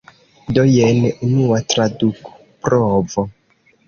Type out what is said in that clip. Do jen unua tradukprovo.